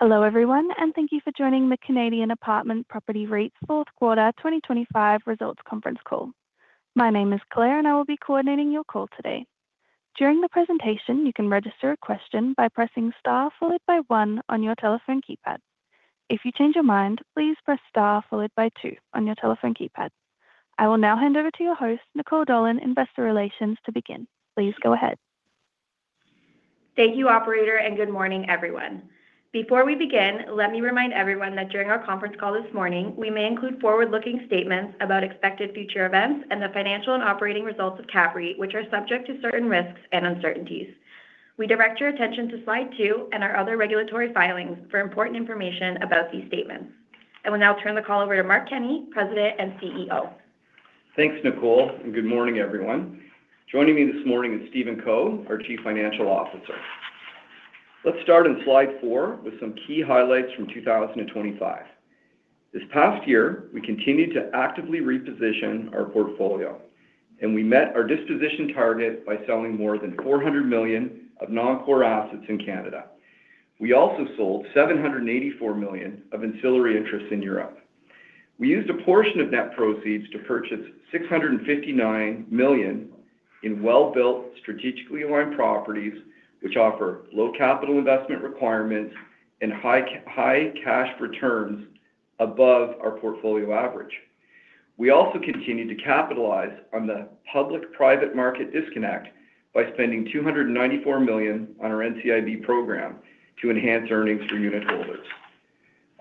Hello, everyone, and thank you for joining the Canadian Apartment Properties Real Estate Investment Trust fourth quarter 2025 results conference call. My name is Claire, and I will be coordinating your call today. During the presentation, you can register a question by pressing star followed by one on your telephone keypad. If you change your mind, please press star followed by two on your telephone keypad. I will now hand over to your host, Nicole Dolan, Investor Relations, to begin. Please go ahead. Thank you, operator, and good morning, everyone. Before we begin, let me remind everyone that during our conference call this morning, we may include forward-looking statements about expected future events and the financial and operating results of CAPREIT, which are subject to certain risks and uncertainties. We direct your attention to slide two and our other regulatory filings for important information about these statements. I will now turn the call over to Mark Kenney, President and CEO. Thanks, Nicole, and good morning, everyone. Joining me this morning is Stephen Co, our Chief Financial Officer. Let's start on slide four with some key highlights from 2025. This past year, we continued to actively reposition our portfolio, and we met our disposition target by selling more than 400 million of non-core assets in Canada. We also sold 784 million of ancillary interests in Europe. We used a portion of net proceeds to purchase 659 million in well-built, strategically aligned properties, which offer low capital investment requirements and high cash returns above our portfolio average. We also continued to capitalize on the public-private market disconnect by spending 294 million on our NCIB program to enhance earnings for unitholders.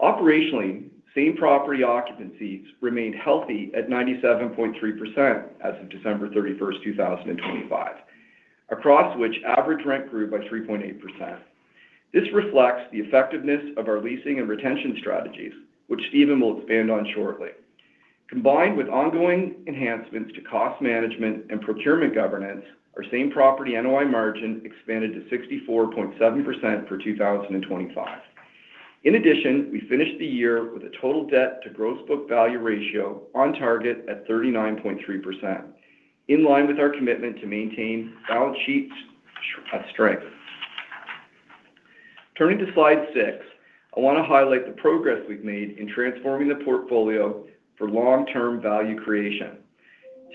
Operationally, same-property occupancies remained healthy at 97.3% as of December 31st, 2025, across which average rent grew by 3.8%. This reflects the effectiveness of our leasing and retention strategies, which Stephen will expand on shortly. Combined with ongoing enhancements to cost management and procurement governance, our same property NOI margin expanded to 64.7% for 2025. In addition, we finished the year with a total debt to gross book value ratio on target at 39.3%, in line with our commitment to maintain balance sheet strength. Turning to slide 6, I want to highlight the progress we've made in transforming the portfolio for long-term value creation.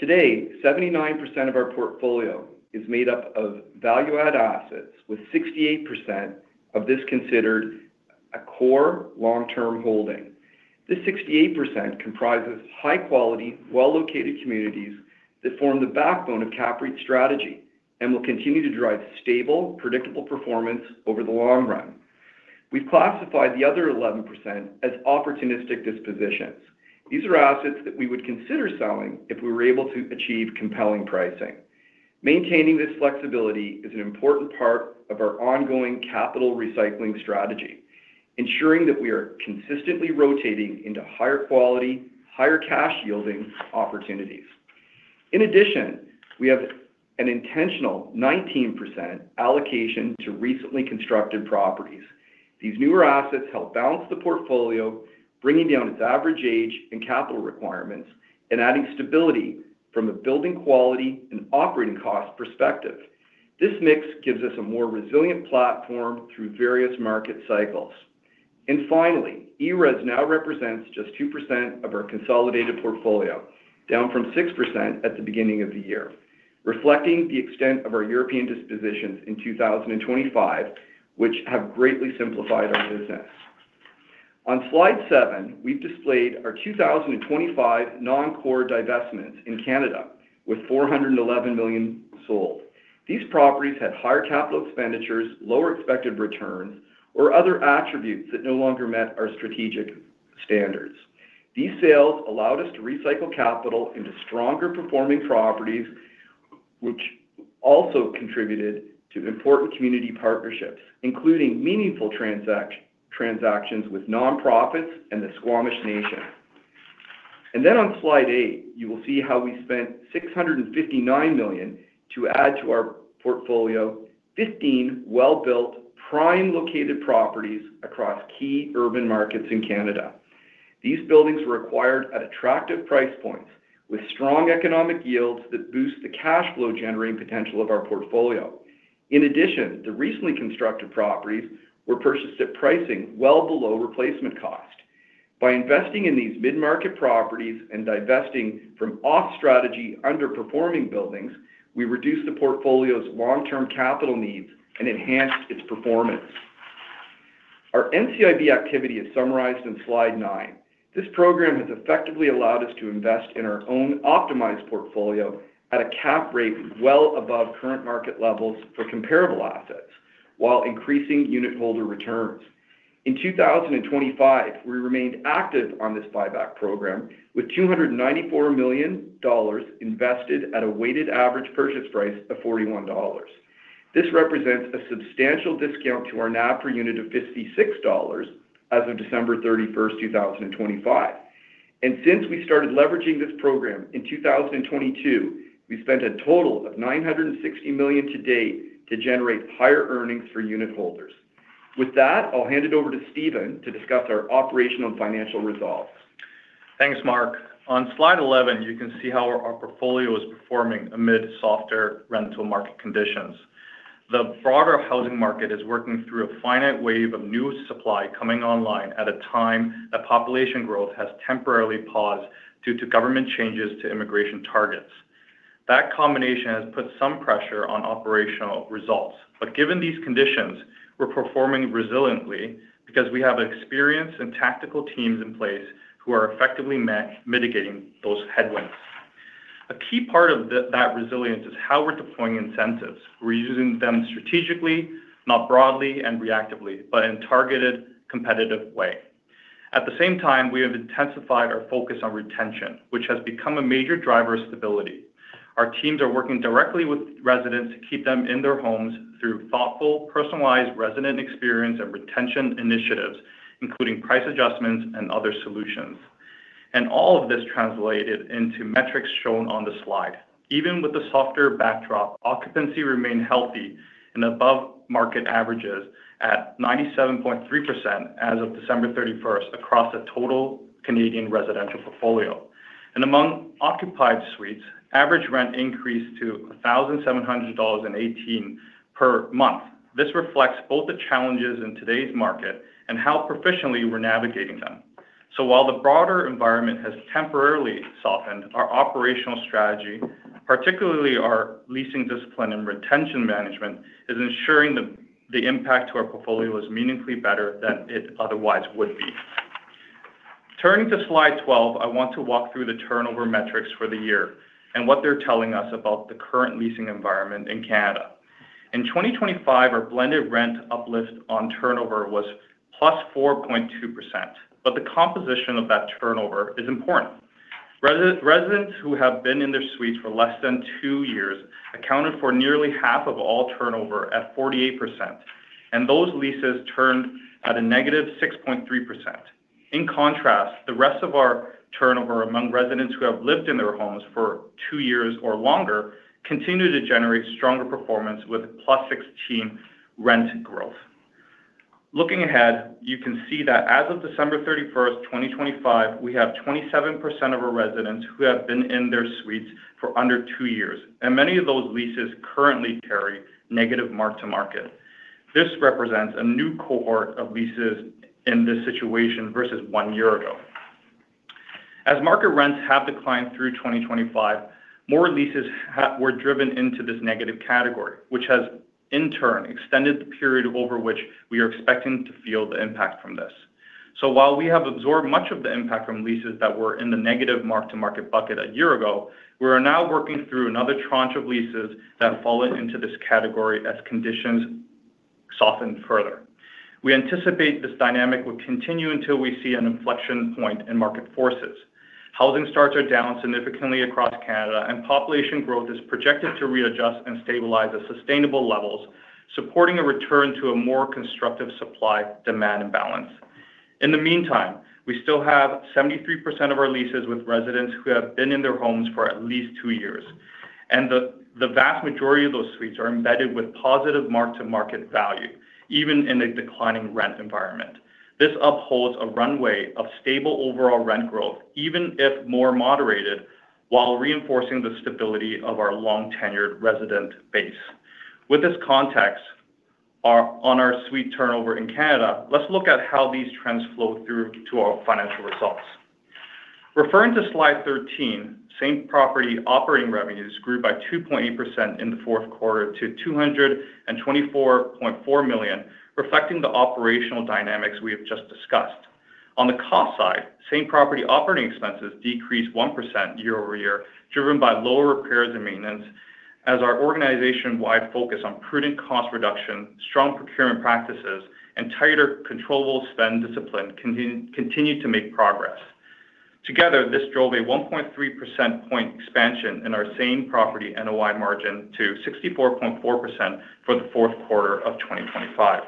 Today, 79% of our portfolio is made up of value-add assets, with 68% of this considered a core long-term holding. This 68% comprises high-quality, well-located communities that form the backbone of CAPREIT's strategy and will continue to drive stable, predictable performance over the long run. We've classified the other 11% as opportunistic dispositions. These are assets that we would consider selling if we were able to achieve compelling pricing. Maintaining this flexibility is an important part of our ongoing capital recycling strategy, ensuring that we are consistently rotating into higher quality, higher cash-yielding opportunities. In addition, we have an intentional 19% allocation to recently constructed properties. These newer assets help balance the portfolio, bringing down its average age and capital requirements and adding stability from a building quality and operating cost perspective. This mix gives us a more resilient platform through various market cycles. Finally, ERES now represents just 2% of our consolidated portfolio, down from 6% at the beginning of the year, reflecting the extent of our European dispositions in 2025, which have greatly simplified our business. On slide seven, we've displayed our 2025 non-core divestments in Canada, with 411 million sold. These properties had higher capital expenditures, lower expected returns, or other attributes that no longer met our strategic standards. These sales allowed us to recycle capital into stronger-performing properties, which also contributed to important community partnerships, including meaningful transactions with nonprofits and the Squamish Nation. Then on slide eight, you will see how we spent 659 million to add to our portfolio, 15 well-built, prime-located properties across key urban markets in Canada. These buildings were acquired at attractive price points with strong economic yields that boost the cash flow-generating potential of our portfolio. In addition, the recently constructed properties were purchased at pricing well below replacement cost. By investing in these mid-market properties and divesting from off-strategy, underperforming buildings, we reduced the portfolio's long-term capital needs and enhanced its performance. Our NCIB activity is summarized in slide nine. This program has effectively allowed us to invest in our own optimized portfolio at a cap rate well above current market levels for comparable assets while increasing unitholder returns. In 2025, we remained active on this buyback program, with 294 million dollars invested at a weighted average purchase price of 41 dollars. This represents a substantial discount to our NAV per unit of 56 dollars as of December 31st, 2025. Since we started leveraging this program in 2022, we've spent a total of 960 million to date to generate higher earnings for unitholders. With that, I'll hand it over to Stephen to discuss our operational and financial results.... Thanks, Mark. On slide 11, you can see how our portfolio is performing amid softer rental market conditions. The broader housing market is working through a finite wave of new supply coming online at a time that population growth has temporarily paused due to government changes to immigration targets. That combination has put some pressure on operational results. But given these conditions, we're performing resiliently because we have experienced and tactical teams in place who are effectively mitigating those headwinds. A key part of that resilience is how we're deploying incentives. We're using them strategically, not broadly and reactively, but in a targeted, competitive way. At the same time, we have intensified our focus on retention, which has become a major driver of stability. Our teams are working directly with residents to keep them in their homes through thoughtful, personalized resident experience and retention initiatives, including price adjustments and other solutions. And all of this translated into metrics shown on the slide. Even with the softer backdrop, occupancy remained healthy and above market averages at 97.3% as of December 31st across the total Canadian residential portfolio. And among occupied suites, average rent increased to 1,718 dollars per month. This reflects both the challenges in today's market and how proficiently we're navigating them. So while the broader environment has temporarily softened, our operational strategy, particularly our leasing discipline and retention management, is ensuring the impact to our portfolio is meaningfully better than it otherwise would be. Turning to slide 12, I want to walk through the turnover metrics for the year and what they're telling us about the current leasing environment in Canada. In 2025, our blended rent uplift on turnover was +4.2%, but the composition of that turnover is important. Residents who have been in their suites for less than two years accounted for nearly half of all turnover at 48%, and those leases turned at a -6.3%. In contrast, the rest of our turnover among residents who have lived in their homes for two years or longer continued to generate stronger performance with +16 rent growth. Looking ahead, you can see that as of December 31st, 2025, we have 27% of our residents who have been in their suites for under 2 years, and many of those leases currently carry negative mark-to-market. This represents a new cohort of leases in this situation versus 1 year ago. As market rents have declined through 2025, more leases were driven into this negative category, which has in turn extended the period over which we are expecting to feel the impact from this. So while we have absorbed much of the impact from leases that were in the negative mark-to-market bucket a year ago, we are now working through another tranche of leases that fall into this category as conditions soften further. We anticipate this dynamic will continue until we see an inflection point in market forces. Housing starts are down significantly across Canada, and population growth is projected to readjust and stabilize at sustainable levels, supporting a return to a more constructive supply-demand balance. In the meantime, we still have 73% of our leases with residents who have been in their homes for at least two years, and the vast majority of those suites are embedded with positive mark-to-market value, even in a declining rent environment. This upholds a runway of stable overall rent growth, even if more moderated, while reinforcing the stability of our long-tenured resident base. With this context on our suite turnover in Canada, let's look at how these trends flow through to our financial results. Referring to slide 13, same-property operating revenues grew by 2.8% in the fourth quarter to 224.4 million, reflecting the operational dynamics we have just discussed. On the cost side, same-property operating expenses decreased 1% year-over-year, driven by lower repairs and maintenance as our organization-wide focus on prudent cost reduction, strong procurement practices, and tighter controllable spend discipline continued to make progress. Together, this drove a 1.3 percentage point expansion in our same-property NOI margin to 64.4% for the fourth quarter of 2025.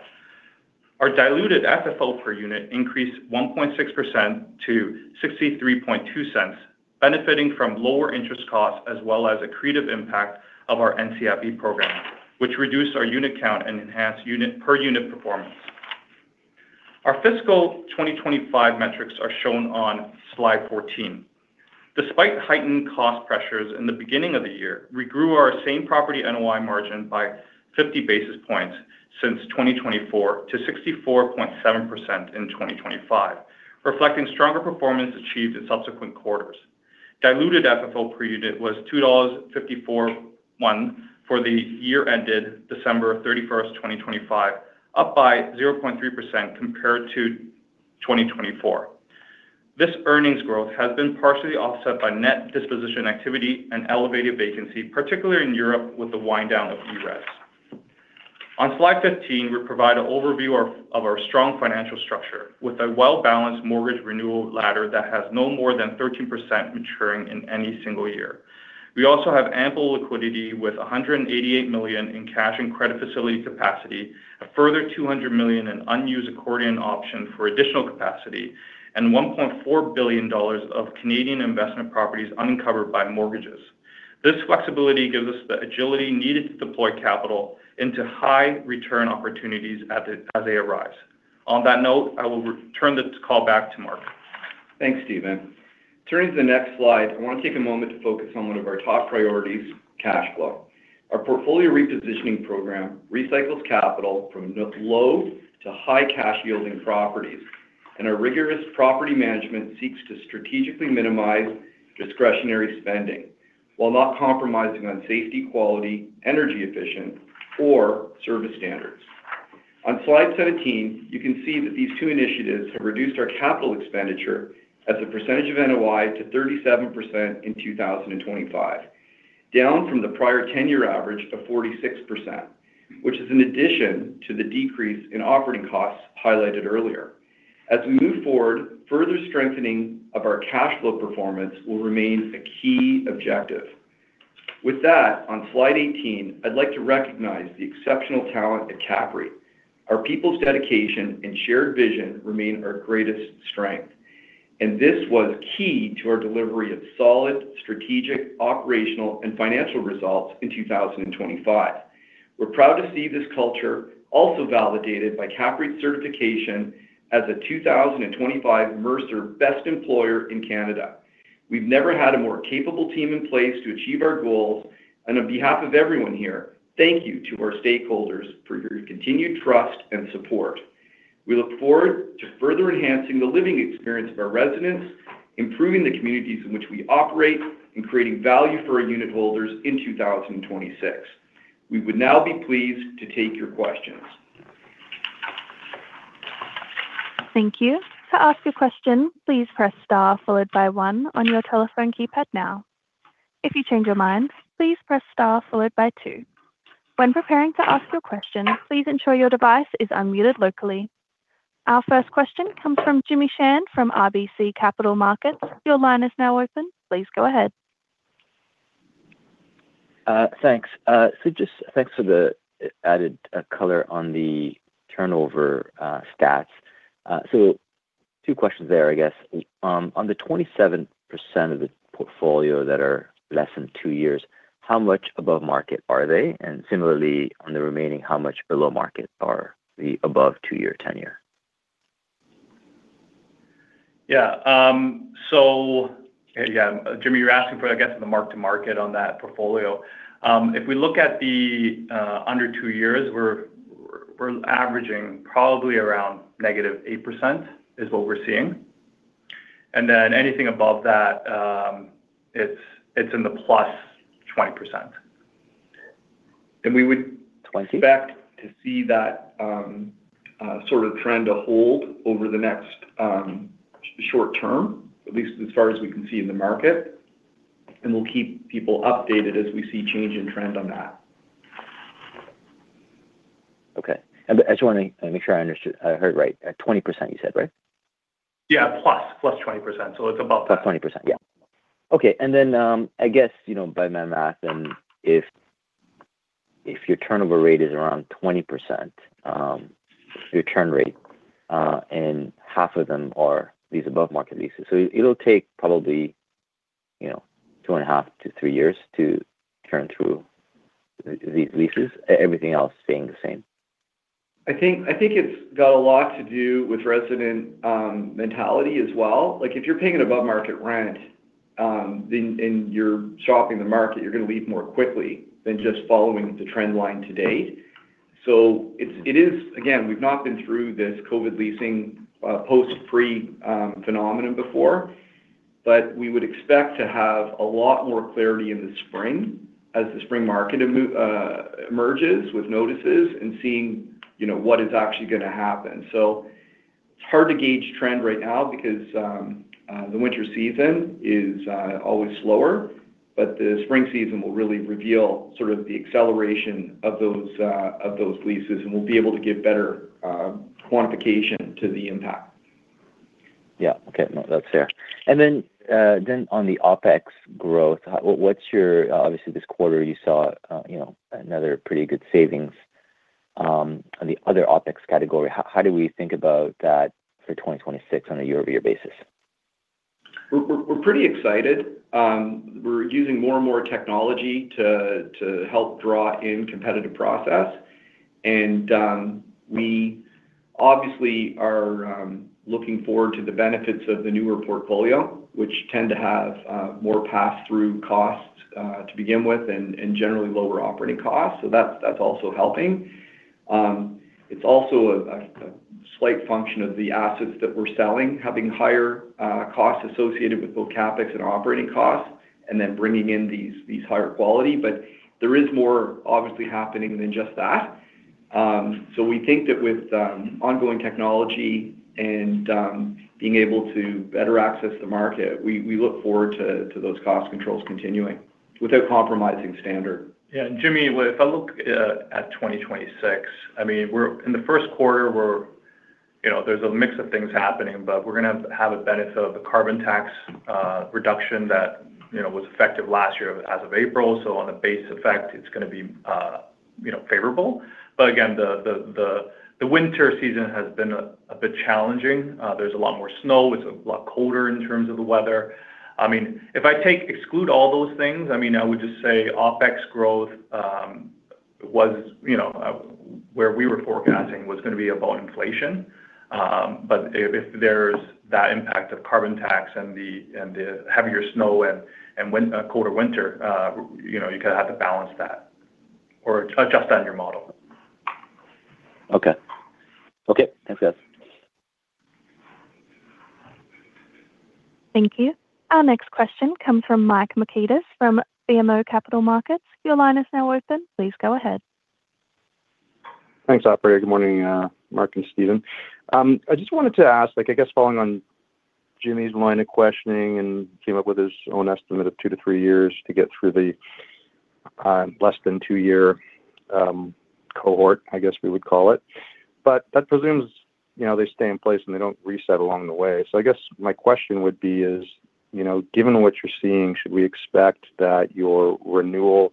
Our diluted FFO per unit increased 1.6% to 0.632, benefiting from lower interest costs as well as accretive impact of our NCIB program, which reduced our unit count and enhanced per-unit performance. Our fiscal 2025 metrics are shown on slide 14. Despite heightened cost pressures in the beginning of the year, we grew our same-property NOI margin by 50 basis points since 2024 to 64.7% in 2025, reflecting stronger performance achieved in subsequent quarters. Diluted FFO per unit was 2.541 dollars for the year ended December 31, 2025, up by 0.3% compared to 2024. This earnings growth has been partially offset by net disposition activity and elevated vacancy, particularly in Europe, with the wind down of ERES. On slide 15, we provide an overview of our strong financial structure with a well-balanced mortgage renewal ladder that has no more than 13% maturing in any single year. We also have ample liquidity, with 188 million in cash and credit facility capacity, a further 200 million in unused accordion option for additional capacity, and 1.4 billion dollars of Canadian investment properties uncovered by mortgages. This flexibility gives us the agility needed to deploy capital into high return opportunities as they, as they arise. On that note, I will return the call back to Mark. Thanks, Stephen. Turning to the next slide, I want to take a moment to focus on one of our top priorities: cash flow. Our portfolio repositioning program recycles capital from low to high cash yielding properties, and our rigorous property management seeks to strategically minimize discretionary spending, while not compromising on safety, quality, energy efficient, or service standards. On slide 17, you can see that these two initiatives have reduced our capital expenditure as a percentage of NOI to 37% in 2025, down from the prior 10-year average of 46%, which is in addition to the decrease in operating costs highlighted earlier. As we move forward, further strengthening of our cash flow performance will remain a key objective. With that, on slide 18, I'd like to recognize the exceptional talent at CAPREIT. Our people's dedication and shared vision remain our greatest strength, and this was key to our delivery of solid, strategic, operational, and financial results in 2025. We're proud to see this culture also validated by CAPREIT's certification as a 2025 Mercer Best Employer in Canada. We've never had a more capable team in place to achieve our goals, and on behalf of everyone here, thank you to our stakeholders for your continued trust and support. We look forward to further enhancing the living experience of our residents, improving the communities in which we operate, and creating value for our unitholders in 2026. We would now be pleased to take your questions. Thank you. To ask a question, please press star followed by one on your telephone keypad now. If you change your mind, please press star followed by two. When preparing to ask your question, please ensure your device is unmuted locally. Our first question comes from Jimmy Shan from RBC Capital Markets. Your line is now open. Please go ahead. Thanks. So just thanks for the added color on the turnover stats. So two questions there, I guess. On the 27% of the portfolio that are less than two years, how much above market are they? And similarly, on the remaining, how much below market are the above two-year tenure? Yeah. So, yeah, Jimmy, you're asking for, I guess, the mark-to-market on that portfolio. If we look at the under two years, we're averaging probably around -8%, is what we're seeing. And then anything above that, it's in the +20%. And we would- Twenty? expect to see that, sort of trend to hold over the next, short term, at least as far as we can see in the market. And we'll keep people updated as we see change in trend on that. Okay. And, I just wanna make sure I understood, I heard right. 20% you said, right? Yeah, plus. Plus 20%, so it's above that. +20%. Yeah. Okay. And then, I guess, you know, by my math then, if your turnover rate is around 20%, your churn rate, and half of them are these above-market leases. So it'll take probably, you know, 2.5-3 years to churn through these leases, everything else staying the same. I think it's got a lot to do with resident mentality as well. Like, if you're paying an above-market rent, then, and you're shopping the market, you're going to leave more quickly than just following the trend line to date. So it is. Again, we've not been through this COVID leasing post-freeze phenomenon before, but we would expect to have a lot more clarity in the spring as the spring market emerges with notices and seeing, you know, what is actually gonna happen. So it's hard to gauge trend right now because the winter season is always slower, but the spring season will really reveal sort of the acceleration of those leases, and we'll be able to give better quantification to the impact. Yeah. Okay. No, that's fair. And then, then on the OpEx growth, what, what's your... Obviously, this quarter you saw, you know, another pretty good savings, on the other OpEx category. How, how do we think about that for 2026 on a year-over-year basis? We're pretty excited. We're using more and more technology to help draw in competitive process. And we obviously are looking forward to the benefits of the newer portfolio, which tend to have more pass-through costs to begin with and generally lower operating costs, so that's also helping. It's also a slight function of the assets that we're selling, having higher costs associated with both CapEx and operating costs, and then bringing in these higher quality. But there is more obviously happening than just that. So we think that with ongoing technology and being able to better access the market, we look forward to those cost controls continuing without compromising standard. Yeah, Jimmy, well, if I look at 2026, I mean, we're in the first quarter, we're, you know, there's a mix of things happening, but we're gonna have a benefit of the carbon tax reduction that, you know, was effective last year as of April. So on a base effect, it's gonna be.... you know, favorable. But again, the winter season has been a bit challenging. There's a lot more snow. It's a lot colder in terms of the weather. I mean, if I exclude all those things, I mean, I would just say OpEx growth was, you know, where we were forecasting was gonna be about inflation. But if there's that impact of carbon tax and the heavier snow and colder winter, you know, you kinda have to balance that or adjust that in your model. Okay. Okay, thanks, guys. Thank you. Our next question comes from Mike Markidis from BMO Capital Markets. Your line is now open. Please go ahead. Thanks, operator. Good morning, Mark and Stephen. I just wanted to ask, like, I guess, following on Jimmy's line of questioning, and came up with his own estimate 1 to 3 years to get through the less than 2-year cohort, I guess we would call it. But that presumes, you know, they stay in place, and they don't reset along the way. So I guess my question would be is, you know, given what you're seeing, should we expect that your renewal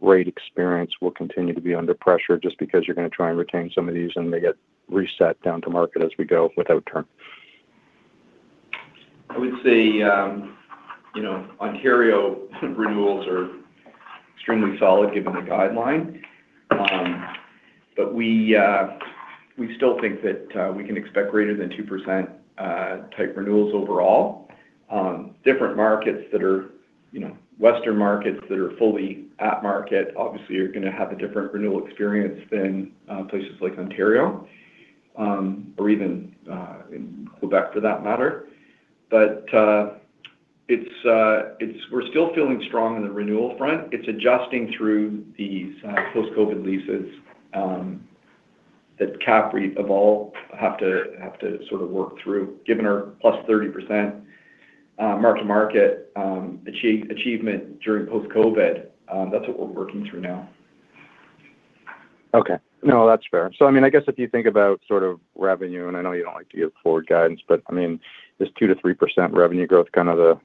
rate experience will continue to be under pressure just because you're gonna try and retain some of these, and they get reset down to market as we go without term? I would say, you know, Ontario renewals are extremely solid, given the guideline. But we still think that we can expect greater than 2% type renewals overall. Different markets that are, you know, western markets that are fully at market, obviously, are gonna have a different renewal experience than places like Ontario or even in Quebec, for that matter. But it's-- we're still feeling strong in the renewal front. It's adjusting through these post-COVID leases that CAPREIT overall have to sort of work through, given our +30% mark-to-market achievement during post-COVID. That's what we're working through now. Okay. No, that's fair. So, I mean, I guess if you think about sort of revenue, and I know you don't like to give forward guidance, but, I mean, this 2%-3% revenue growth kind of the,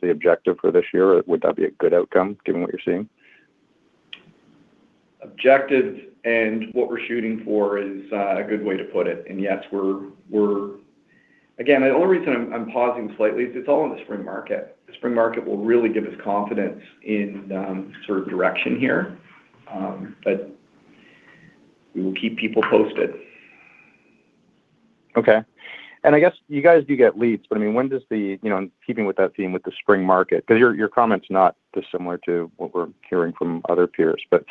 the objective for this year, or would that be a good outcome, given what you're seeing? Objective and what we're shooting for is a good way to put it. And yes, we're... Again, the only reason I'm pausing slightly is it's all in the spring market. The spring market will really give us confidence in sort of direction here, but we will keep people posted. Okay. And I guess you guys do get leads, but, I mean, when does the, you know, in keeping with that theme, with the spring market, because your, your comment's not dissimilar to what we're hearing from other peers. But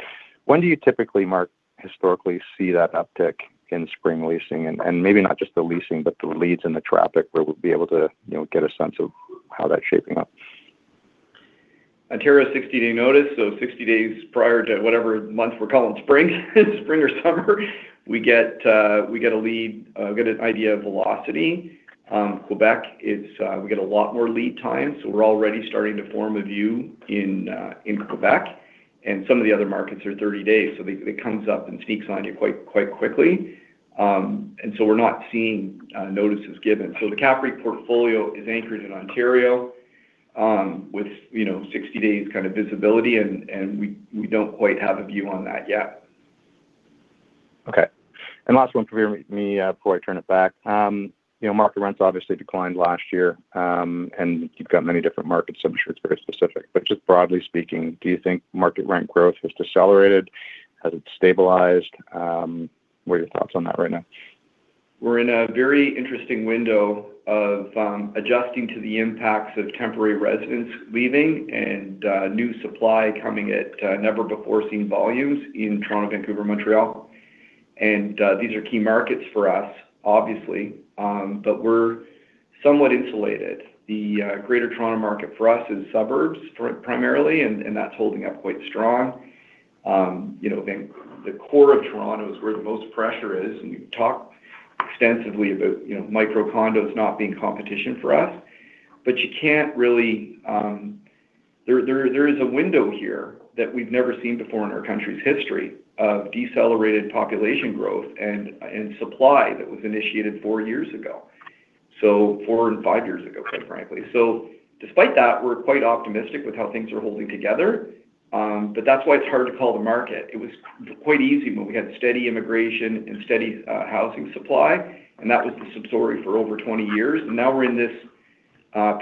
when do you typically, Mark, historically, see that uptick in spring leasing and, and maybe not just the leasing, but the leads and the traffic, where we'll be able to, you know, get a sense of how that's shaping up? Ontario, 60-day notice, so 60 days prior to whatever month we're calling spring, spring or summer, we get, we get a lead, get an idea of velocity. Quebec is, we get a lot more lead time, so we're already starting to form a view in, in Quebec, and some of the other markets are 30 days, so they it comes up and sneaks on you quite, quite quickly. And so we're not seeing, notices given. So the CAPREIT portfolio is anchored in Ontario, with, you know, 60 days kind of visibility, and, and we, we don't quite have a view on that yet. Okay. Last one from me before I turn it back. You know, market rents obviously declined last year, and you've got many different markets, so I'm sure it's very specific. But just broadly speaking, do you think market rent growth has decelerated? Has it stabilized? What are your thoughts on that right now? We're in a very interesting window of adjusting to the impacts of temporary residents leaving and new supply coming at never-before-seen volumes in Toronto, Vancouver, Montreal. These are key markets for us, obviously, but we're somewhat insulated. The Greater Toronto market for us is suburbs primarily, and that's holding up quite strong. You know, the core of Toronto is where the most pressure is, and we've talked extensively about, you know, micro condos not being competition for us. But you can't really. There is a window here that we've never seen before in our country's history of decelerated population growth and supply that was initiated four years ago, so four and five years ago, quite frankly. So despite that, we're quite optimistic with how things are holding together, but that's why it's hard to call the market. It was quite easy when we had steady immigration and steady housing supply, and that was the substory for over 20 years. And now we're in this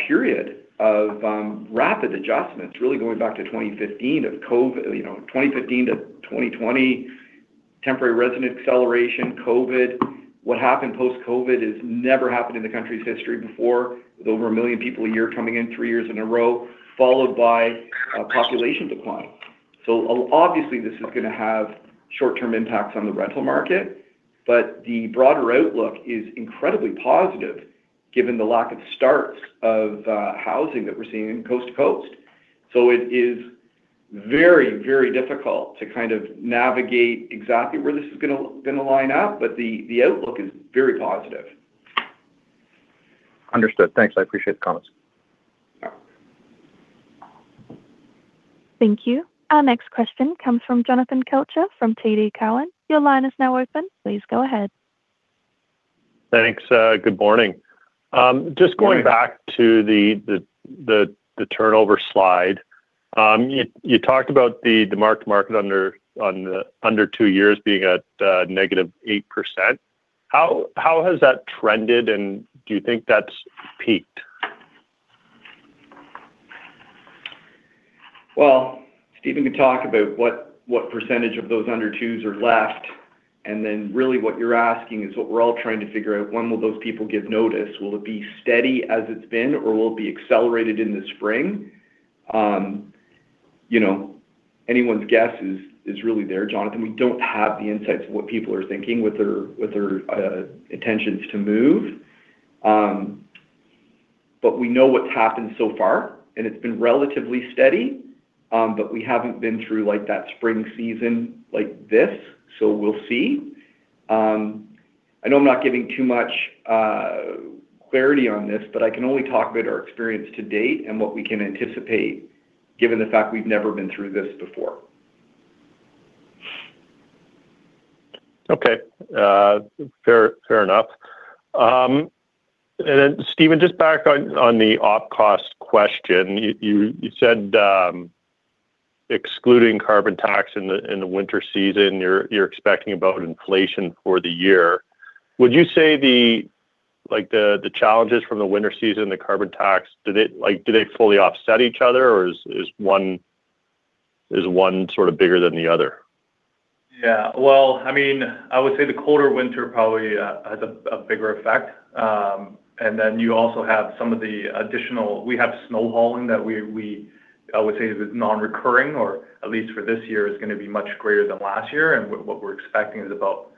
period of rapid adjustments, really going back to 2015 of COVID, you know, 2015 to 2020, temporary resident acceleration, COVID. What happened post-COVID has never happened in the country's history before, with over one million people a year coming in three years in a row, followed by a population decline. So obviously, this is gonna have short-term impacts on the rental market, but the broader outlook is incredibly positive, given the lack of starts of housing that we're seeing in coast to coast. It is very, very difficult to kind of navigate exactly where this is gonna line up, but the outlook is very positive. Understood. Thanks. I appreciate the comments. Thank you. Our next question comes from Jonathan Kelcher from TD Cowen. Your line is now open. Please go ahead.... Thanks. Good morning. Just going back to the turnover slide. You talked about the mark-to-market under, on the under two years being at -8%. How has that trended, and do you think that's peaked? Well, Stephen can talk about what, what percentage of those under twos are left, and then really what you're asking is what we're all trying to figure out, when will those people give notice? Will it be steady as it's been, or will it be accelerated in the spring? You know, anyone's guess is, is really there, Jonathan. We don't have the insights of what people are thinking with their, with their, intentions to move. But we know what's happened so far, and it's been relatively steady. But we haven't been through, like, that spring season like this, so we'll see. I know I'm not giving too much clarity on this, but I can only talk about our experience to date and what we can anticipate, given the fact we've never been through this before. Okay. Fair, fair enough. And then, Stephen, just back on the op cost question. You said, excluding carbon tax in the winter season, you're expecting about inflation for the year. Would you say the, like, challenges from the winter season, the carbon tax, did it—like, do they fully offset each other, or is one sort of bigger than the other? Yeah. Well, I mean, I would say the colder winter probably has a bigger effect. And then you also have some of the additional, we have snow hauling that we, I would say, is non-recurring, or at least for this year, is going to be much greater than last year. And what we're expecting is about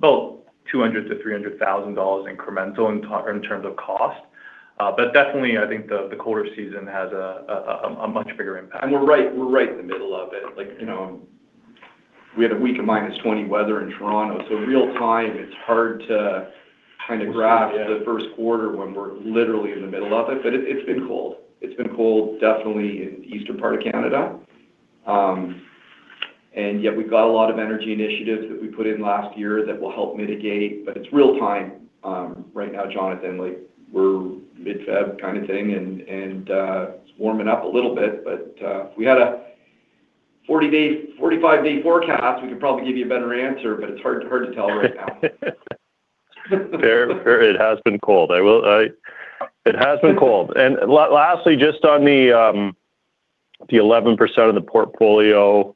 200,000-300,000 dollars incremental in terms of cost. But definitely, I think the colder season has a much bigger impact. And we're right, we're right in the middle of it. Like, you know, we had a week of -20 degrees Celsius weather in Toronto, so real-time, it's hard to kinda grasp- Yeah. the first quarter when we're literally in the middle of it, but it, it's been cold. It's been cold, definitely in the eastern part of Canada. And yet we've got a lot of energy initiatives that we put in last year that will help mitigate, but it's real-time, right now, Jonathan, like we're mid-February kind of thing, and it's warming up a little bit. But if we had a 40-day, 45-day forecast, we could probably give you a better answer, but it's hard, hard to tell right now. Fair. Fair. It has been cold. It has been cold. And lastly, just on the 11% of the portfolio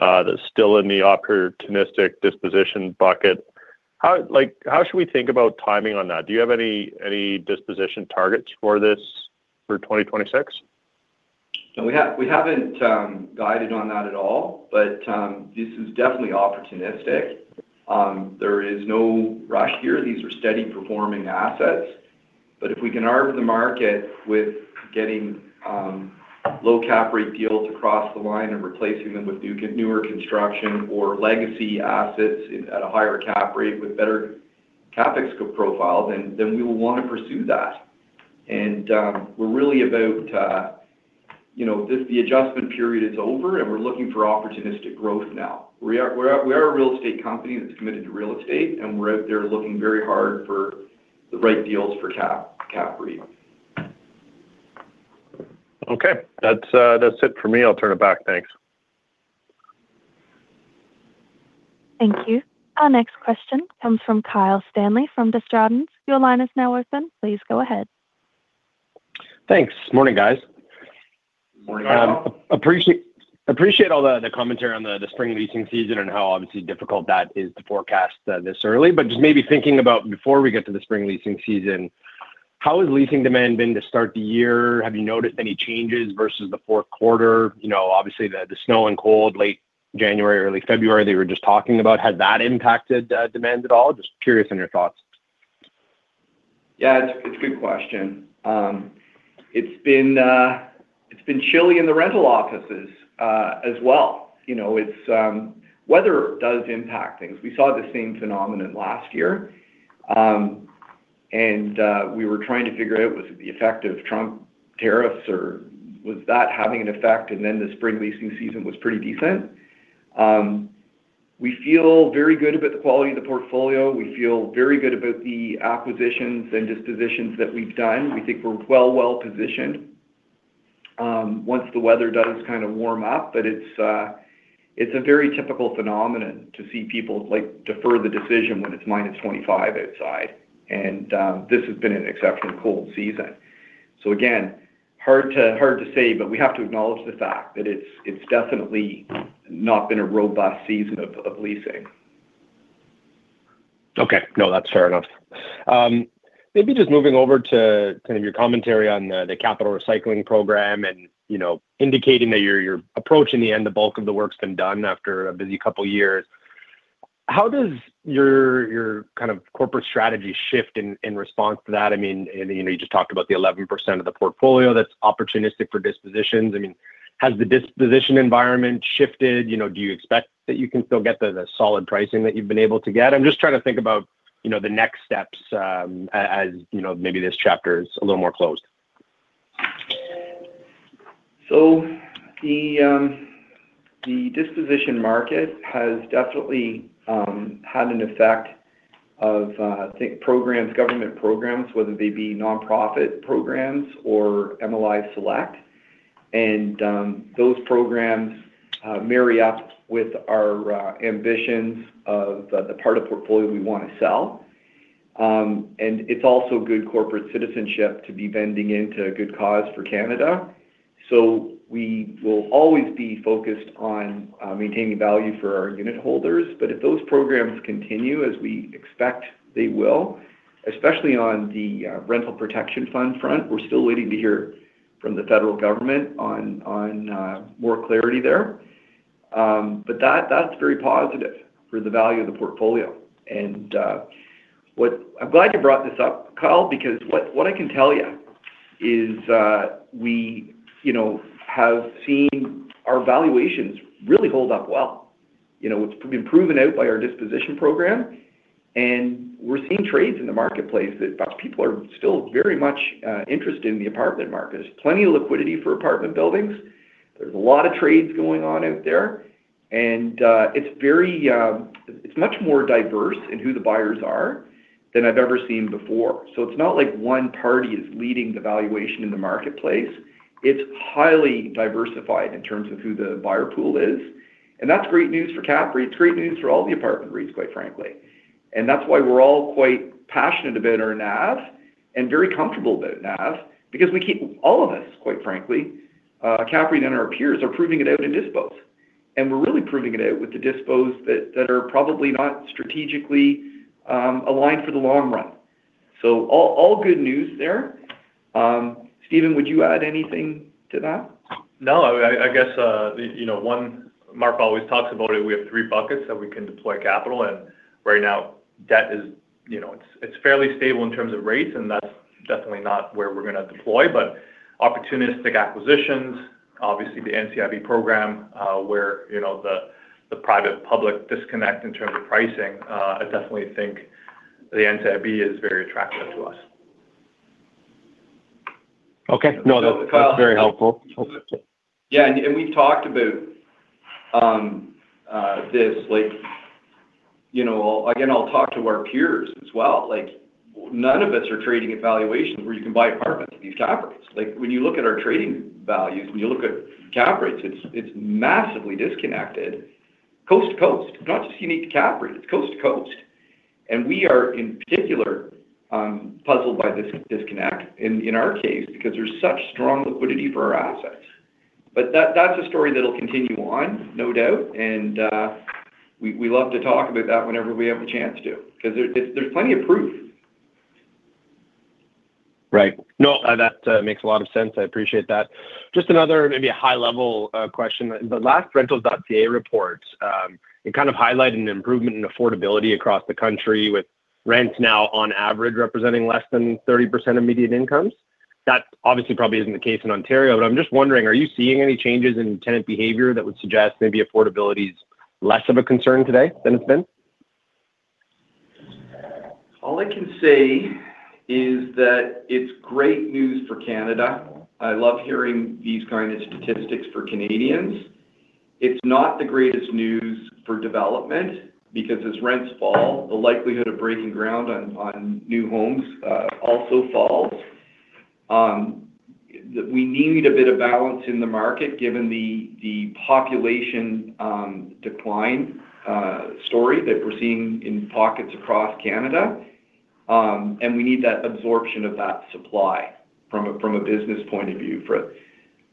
that's still in the opportunistic disposition bucket, how, like, how should we think about timing on that? Do you have any, any disposition targets for this for 2026? So we have we haven't guided on that at all, but this is definitely opportunistic. There is no rush here. These are steady-performing assets, but if we can arm the market with getting low cap rate deals across the line and replacing them with new, newer construction or legacy assets at a higher cap rate with better CapEx profiles, then we will want to pursue that. And we're really about you know this the adjustment period is over, and we're looking for opportunistic growth now. We are a real estate company that's committed to real estate, and we're out there looking very hard for the right deals for cap rate. Okay. That's, that's it for me. I'll turn it back. Thanks. Thank you. Our next question comes from Kyle Stanley, from Desjardins. Your line is now open. Please go ahead. Thanks. Morning, guys. Morning. Appreciate, appreciate all the commentary on the spring leasing season and how obviously difficult that is to forecast this early. But just maybe thinking about before we get to the spring leasing season, how has leasing demand been to start the year? Have you noticed any changes versus the fourth quarter? You know, obviously, the snow and cold, late January, early February, that you were just talking about, has that impacted demand at all? Just curious on your thoughts. Yeah, it's a good question. It's been chilly in the rental offices as well. You know, it's weather does impact things. We saw the same phenomenon last year, and we were trying to figure out was it the effect of Trump tariffs or was that having an effect? And then, the spring leasing season was pretty decent. We feel very good about the quality of the portfolio. We feel very good about the acquisitions and dispositions that we've done. We think we're well-positioned once the weather does kind of warm up. But it's a very typical phenomenon to see people, like, defer the decision when it's -25 degrees Celsius outside. And this has been an exceptionally cold season. So again, hard to say, but we have to acknowledge the fact that it's definitely not been a robust season of leasing. Okay. No, that's fair enough. Maybe just moving over to kind of your commentary on the, the capital recycling program and, you know, indicating that you're, you're approaching the end, the bulk of the work's been done after a busy couple of years. How does your, your kind of corporate strategy shift in, in response to that? I mean, and, you know, you just talked about the 11% of the portfolio that's opportunistic for dispositions. I mean, has the disposition environment shifted? You know, do you expect that you can still get the, the solid pricing that you've been able to get? I'm just trying to think about, you know, the next steps, as, you know, maybe this chapter is a little more closed.... So the disposition market has definitely had an effect of I think programs, government programs, whether they be nonprofit programs or MLI Select. And those programs marry up with our ambitions of the part of portfolio we want to sell. And it's also good corporate citizenship to be vending into a good cause for Canada. So we will always be focused on maintaining value for our unitholders, but if those programs continue, as we expect they will, especially on the Rental Protection Fund front, we're still waiting to hear from the federal government on more clarity there. But that, that's very positive for the value of the portfolio. I'm glad you brought this up, Kyle, because what I can tell you is, we, you know, have seen our valuations really hold up well. You know, it's been proven out by our disposition program, and we're seeing trades in the marketplace that people are still very much interested in the apartment market. There's plenty of liquidity for apartment buildings. There's a lot of trades going on out there, and it's very. It's much more diverse in who the buyers are than I've ever seen before. So it's not like one party is leading the valuation in the marketplace. It's highly diversified in terms of who the buyer pool is, and that's great news for CAPREIT. It's great news for all the apartment REITs, quite frankly. That's why we're all quite passionate about our NAV and very comfortable about NAV because we keep all of us, quite frankly, CAPREIT and our peers, are proving it out in dispositions. And we're really proving it out with the dispositions that are probably not strategically aligned for the long run. So all good news there. Stephen, would you add anything to that? No, I guess, you know, Mark always talks about it. We have three buckets that we can deploy capital, and right now, debt is, you know, it's fairly stable in terms of rates, and that's definitely not where we're going to deploy. But opportunistic acquisitions, obviously, the NCIB program, where, you know, the private-public disconnect in terms of pricing, I definitely think the NCIB is very attractive to us. Okay. No, that's very helpful. Yeah, and we've talked about this, like, you know. Again, I'll talk to our peers as well. Like, none of us are trading at valuations where you can buy apartments at these cap rates. Like, when you look at our trading values, when you look at cap rates, it's massively disconnected, coast to coast, not just unique to CAPREIT. It's coast to coast. And we are, in particular, puzzled by this disconnect in our case, because there's such strong liquidity for our assets. But that, that's a story that'll continue on, no doubt, and we love to talk about that whenever we have a chance to, because there's plenty of proof. Right. No, that, makes a lot of sense. I appreciate that. Just another maybe a high-level question. The last Rentals.ca report, it kind of highlighted an improvement in affordability across the country, with rents now on average representing less than 30% of median incomes. That obviously probably isn't the case in Ontario, but I'm just wondering, are you seeing any changes in tenant behavior that would suggest maybe affordability is less of a concern today than it's been? All I can say is that it's great news for Canada. I love hearing these kinds of statistics for Canadians. It's not the greatest news for development because as rents fall, the likelihood of breaking ground on new homes also falls. We need a bit of balance in the market, given the population decline story that we're seeing in pockets across Canada. And we need that absorption of that supply from a business point of view for it.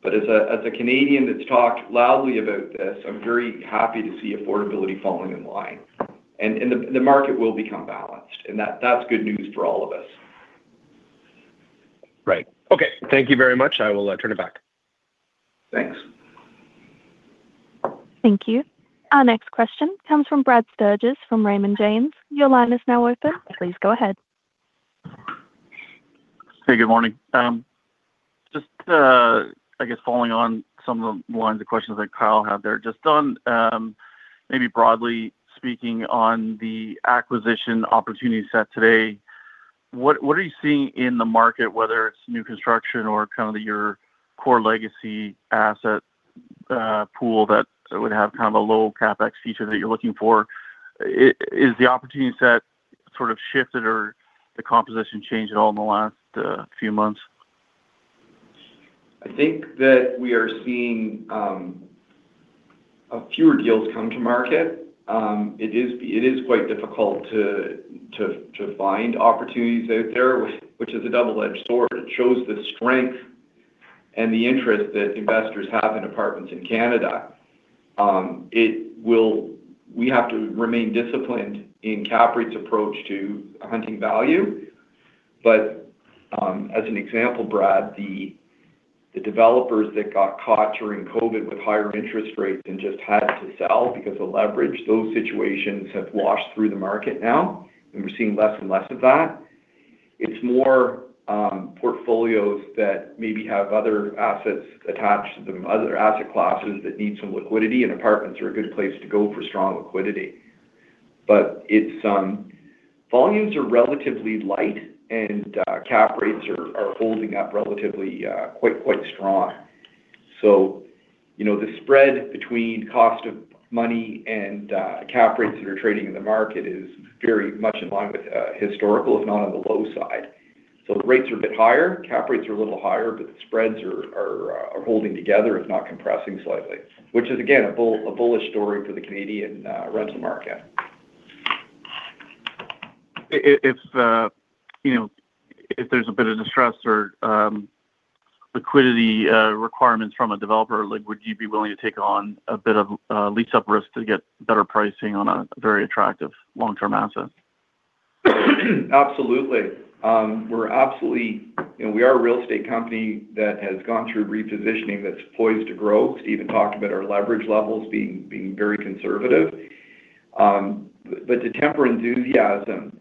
But as a Canadian that's talked loudly about this, I'm very happy to see affordability falling in line, and the market will become balanced, and that's good news for all of us. Right. Okay. Thank you very much. I will turn it back. Thanks. Thank you. Our next question comes from Brad Sturges, from Raymond James. Your line is now open. Please go ahead. Hey, good morning. Just, I guess following on some of the lines of questions that Kyle had there, just on, maybe broadly speaking on the acquisition opportunity set today, what, what are you seeing in the market, whether it's new construction or kind of your core legacy asset pool, that would have kind of a low CapEx feature that you're looking for? Is the opportunity set sort of shifted or the composition changed at all in the last few months? I think that we are seeing a fewer deals come to market. It is quite difficult to find opportunities out there, which is a double-edged sword. It shows the strength and the interest that investors have in apartments in Canada. It will. We have to remain disciplined in CAPREIT's approach to hunting value. But, as an example, Brad, the developers that got caught during COVID with higher interest rates and just had to sell because of leverage, those situations have washed through the market now, and we're seeing less and less of that. It's more portfolios that maybe have other assets attached to them, other asset classes that need some liquidity, and apartments are a good place to go for strong liquidity.... But it's volumes are relatively light, and cap rates are holding up relatively quite strong. So, you know, the spread between cost of money and cap rates that are trading in the market is very much in line with historical, if not on the low side. So the rates are a bit higher, cap rates are a little higher, but the spreads are holding together, if not compressing slightly, which is, again, a bullish story for the Canadian rental market. If, you know, if there's a bit of distress or liquidity requirements from a developer, like, would you be willing to take on a bit of lease-up risk to get better pricing on a very attractive long-term asset? Absolutely. We're absolutely... You know, we are a real estate company that has gone through repositioning that's poised to grow. Steve had talked about our leverage levels being very conservative. But to temper enthusiasm,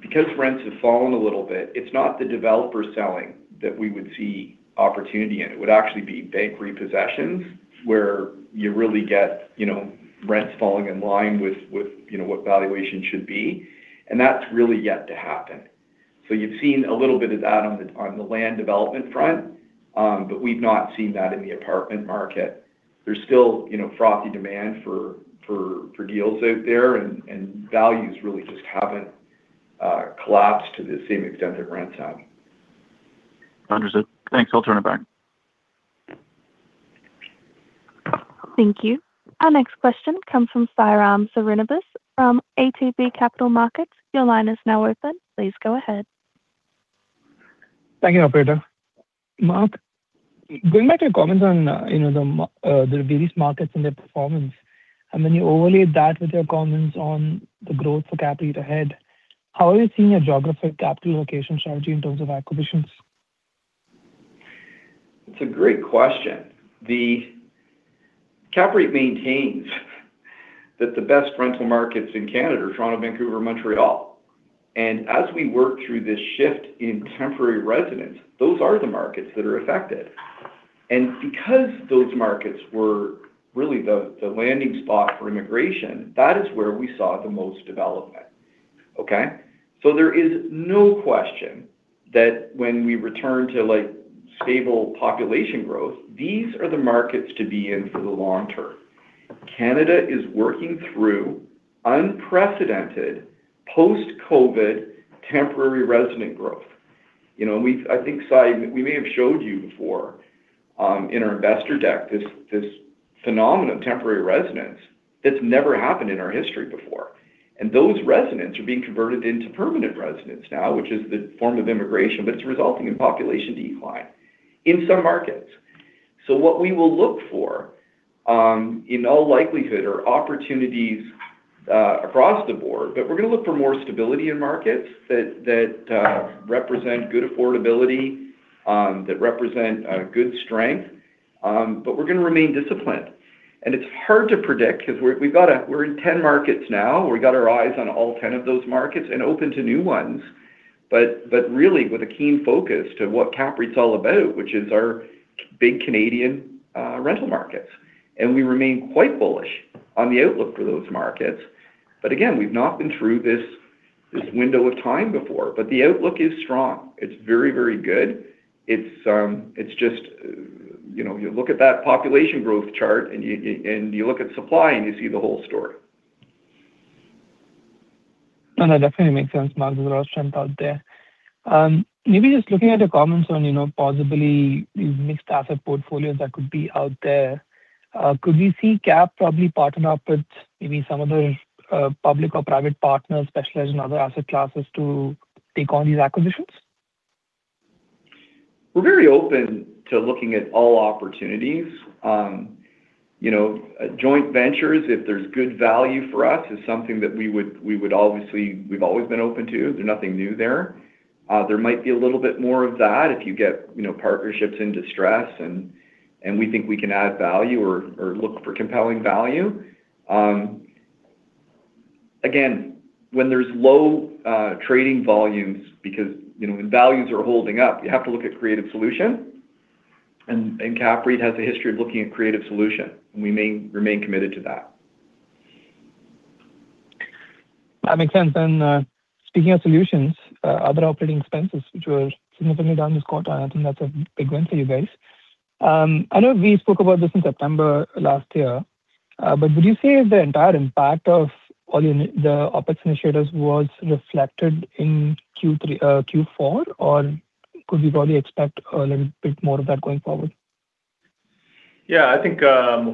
because rents have fallen a little bit, it's not the developer selling that we would see opportunity in. It would actually be bank repossessions, where you really get, you know, rents falling in line with what valuation should be, and that's really yet to happen. So you've seen a little bit of that on the land development front, but we've not seen that in the apartment market. There's still, you know, frothy demand for deals out there, and values really just haven't collapsed to the same extent that rents have. Understood. Thanks. I'll turn it back. Thank you. Our next question comes from Sairam Srinivas from ATB Capital Markets. Your line is now open. Please go ahead. Thank you, operator. Mark, going back to your comments on, you know, the various markets and their performance, and then you overlay that with your comments on the growth for CAPREIT ahead, how are you seeing a geographic capital location strategy in terms of acquisitions? It's a great question. CAPREIT maintains that the best rental markets in Canada are Toronto, Vancouver, and Montreal. And as we work through this shift in temporary residents, those are the markets that are affected. And because those markets were really the landing spot for immigration, that is where we saw the most development. Okay? So there is no question that when we return to, like, stable population growth, these are the markets to be in for the long term. Canada is working through unprecedented post-COVID temporary resident growth. You know, and we, I think, Sai, we may have showed you before, in our investor deck, this phenomenon of temporary residents that's never happened in our history before. And those residents are being converted into permanent residents now, which is the form of immigration, but it's resulting in population decline in some markets. So what we will look for, in all likelihood, are opportunities, across the board, but we're going to look for more stability in markets that represent good affordability, that represent good strength. But we're going to remain disciplined. And it's hard to predict because we're in 10 markets now. We've got our eyes on all 10 of those markets and open to new ones, but really with a keen focus to what CAPREIT's all about, which is our key big Canadian rental markets. And we remain quite bullish on the outlook for those markets. But again, we've not been through this window of time before. But the outlook is strong. It's very, very good. It's, it's just, you know, you look at that population growth chart, and you look at supply, and you see the whole story. No, that definitely makes sense, Mark. There's a lot of strength out there. Maybe just looking at your comments on, you know, possibly these mixed asset portfolios that could be out there, could we see CAP probably partner up with maybe some other, public or private partners specialized in other asset classes to take on these acquisitions? We're very open to looking at all opportunities. You know, joint ventures, if there's good value for us, is something that we would obviously, we've always been open to. There's nothing new there. There might be a little bit more of that if you get, you know, partnerships in distress, and we think we can add value or look for compelling value. Again, when there's low trading volumes, because, you know, when values are holding up, you have to look at creative solution, and CAPREIT has a history of looking at creative solution, and we remain committed to that. That makes sense. And, speaking of solutions, other operating expenses, which were significantly down this quarter, I think that's a big win for you guys. I know we spoke about this in September last year, but would you say the entire impact of all the OpEx initiatives was reflected in Q3, Q4, or could we probably expect a little bit more of that going forward? Yeah, I think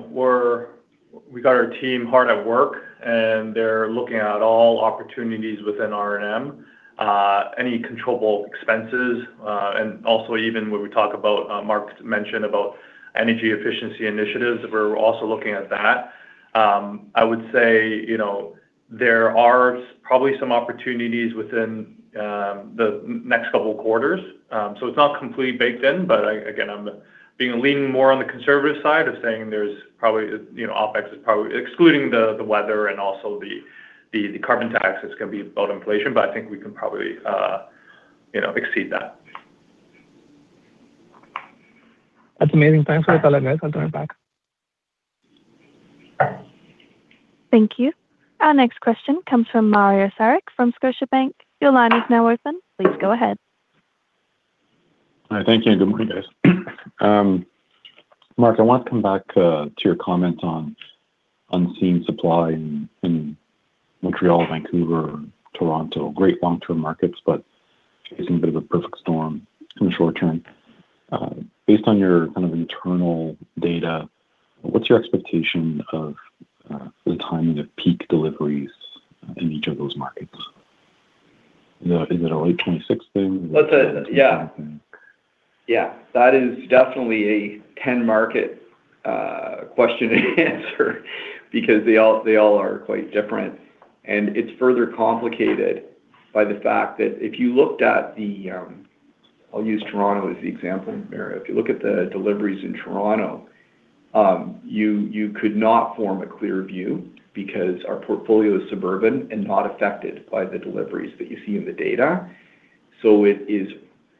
we've got our team hard at work, and they're looking at all opportunities within R&M, any controllable expenses. And also, even when we talk about, Mark mentioned about energy efficiency initiatives, we're also looking at that. I would say, you know, there are probably some opportunities within the next couple of quarters. So it's not completely baked in, but again, I'm leaning more on the conservative side of saying there's probably, you know, OpEx is probably excluding the weather and also the carbon tax is going to be about inflation, but I think we can probably, you know, exceed that. That's amazing. Thanks for the color, guys. I'll turn it back. Thank you. Our next question comes from Mario Saric from Scotiabank. Your line is now open. Please go ahead. Hi. Thank you, and good morning, guys. Mark, I want to come back to your comment on unseen supply in Montreal, Vancouver, and Toronto. Great long-term markets, but facing a bit of a perfect storm in the short term. Based on your kind of internal data, what's your expectation of the timing of peak deliveries in each of those markets? Is it a late 2026 thing? That's a-- Yeah. Yeah, that is definitely a 10-market question to answer, because they all, they all are quite different. And it's further complicated by the fact that if you looked at the... I'll use Toronto as the example, Mario. If you look at the deliveries in Toronto, you, you could not form a clear view because our portfolio is suburban and not affected by the deliveries that you see in the data. So it is.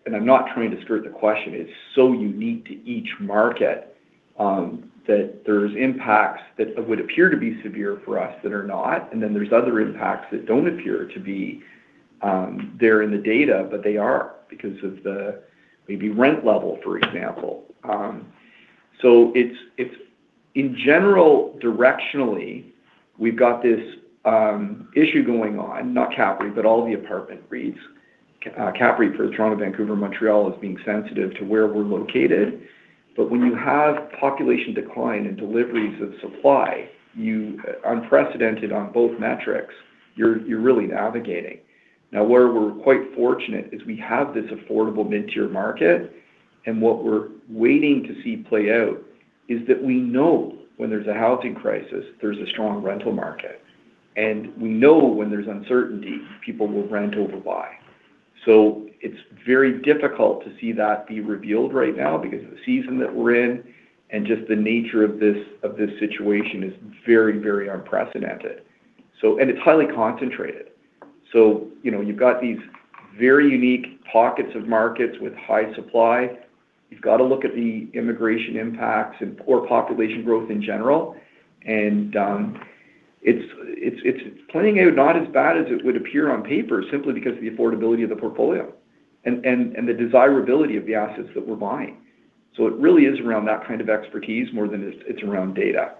And I'm not trying to skirt the question. It's so unique to each market, that there's impacts that would appear to be severe for us, that are not, and then there's other impacts that don't appear to be there in the data, but they are because of the maybe rent level, for example. So it's in general, directionally, we've got this issue going on, not CAPREIT, but all the apartment REITs. CAPREIT for Toronto, Vancouver, and Montreal is being sensitive to where we're located. But when you have population decline and deliveries of supply, unprecedented on both metrics, you're really navigating. Now, where we're quite fortunate is we have this affordable mid-tier market, and what we're waiting to see play out is that we know when there's a housing crisis, there's a strong rental market, and we know when there's uncertainty, people will rent over buy. So it's very difficult to see that be revealed right now because of the season that we're in, and just the nature of this situation is very, very unprecedented. So, and it's highly concentrated. So, you know, you've got these very unique pockets of markets with high supply. You've got to look at the immigration impacts and poor population growth in general, and it's playing out not as bad as it would appear on paper, simply because of the affordability of the portfolio and the desirability of the assets that we're buying. So it really is around that kind of expertise more than it's around data.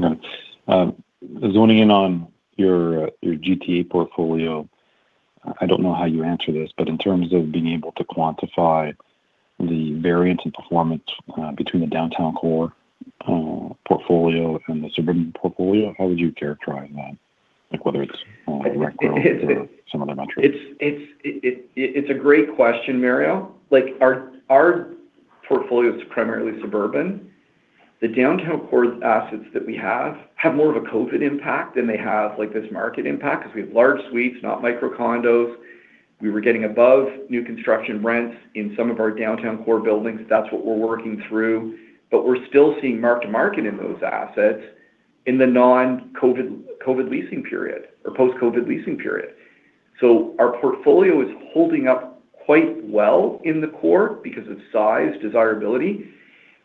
Got it. Zoning in on your GTA portfolio, I don't know how you answer this, but in terms of being able to quantify the variance in performance, between the downtown core portfolio and the suburban portfolio, how would you characterize that? Like, whether it's, direct growth or some other metric. It's a great question, Mario. Like, our portfolio is primarily suburban. The downtown core assets that we have have more of a COVID impact than they have, like, this market impact because we have large suites, not micro condos. We were getting above new construction rents in some of our downtown core buildings. That's what we're working through, but we're still seeing mark-to-market in those assets in the non-COVID, COVID leasing period or post-COVID leasing period. So our portfolio is holding up quite well in the core because of size, desirability,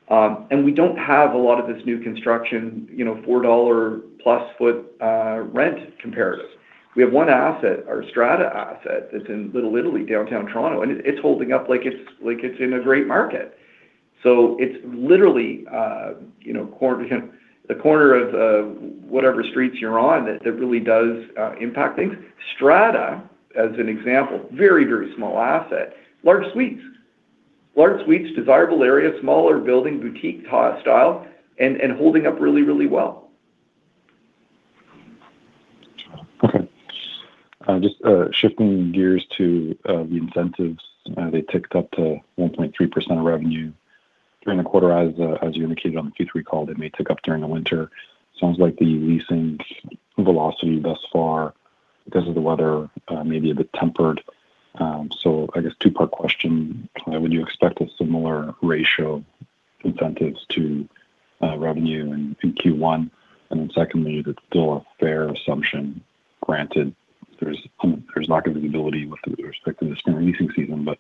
and we don't have a lot of this new construction, you know, four-dollar-plus foot rent comparative. We have one asset, our Strata asset, that's in Little Italy, downtown Toronto, and it's holding up like it's in a great market. So it's literally, you know, corner, the corner of, whatever streets you're on that, that really does impact things. Strata, as an example, very, very small asset, large suites. Large suites, desirable area, smaller building, boutique-high style, and, and holding up really, really well. Okay. Just shifting gears to the incentives. They ticked up to 1.3% of revenue during the quarter. As, as you indicated on the Q3 call, it may tick up during the winter. Sounds like the leasing velocity thus far, because of the weather, may be a bit tempered. So I guess two-part question: Would you expect a similar ratio of incentives to revenue in Q1? And then secondly, is it still a fair assumption, granted, there's lack of visibility with respect to this new leasing season, but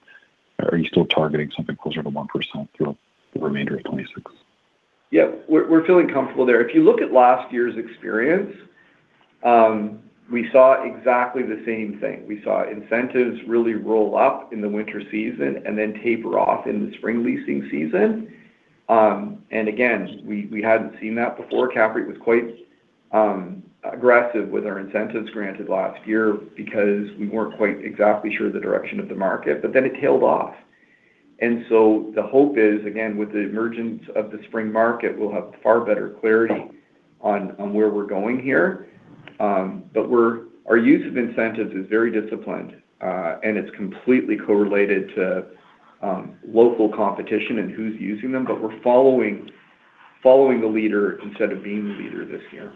are you still targeting something closer to 1% through the remainder of 2026? Yeah, we're feeling comfortable there. If you look at last year's experience, we saw exactly the same thing. We saw incentives really roll up in the winter season and then taper off in the spring leasing season. And again, we hadn't seen that before. CAPREIT was quite aggressive with our incentives granted last year because we weren't quite exactly sure the direction of the market, but then it tailed off. And so the hope is, again, with the emergence of the spring market, we'll have far better clarity on where we're going here. But we're, our use of incentives is very disciplined, and it's completely correlated to local competition and who's using them, but we're following the leader instead of being the leader this year.